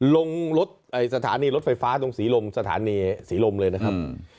ลงรถสถานีรถไฟฟ้าตรงศรีลมสถานีศรีลมเลยนะครับ